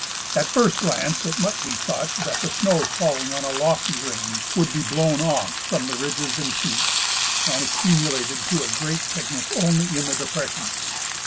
At first glance it might be thought that the snow falling on a lofty range would be blown off from the ridges and peaks and accumulated to a great thickness only in the depressions.